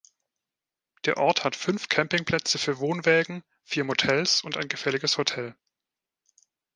Der Ort hat fünf Campingplätze für Wohnwägen, vier Motels und ein gefälliges Hotel.